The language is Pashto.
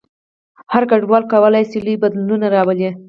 هر ګډونوال کولای شي لوی بدلون راولي.